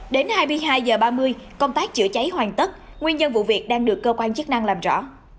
đến hai mươi hai h ba mươi công tác chữa cháy hoàn tất nguyên nhân vụ việc đang được cơ quan chức năng làm rõ